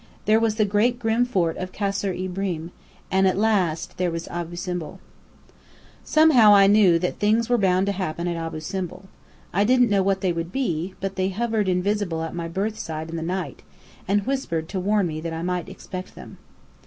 There was the great grim fort of Kasr Ibrim; and at last there was Abu Simbel. Somehow I knew that things were bound to happen at Abu Simbel. I didn't know what they would be, but they hovered invisible at my berth side in the night, and whispered to warn me that I might expect them.